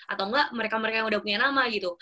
atau enggak mereka mereka yang udah punya nama gitu